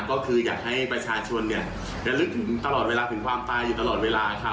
ก็คืออยากให้ประชาชนระลึกถึงตลอดเวลาถึงความตายอยู่ตลอดเวลาค่ะ